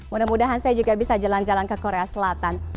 mudah mudahan saya juga bisa jalan jalan ke korea selatan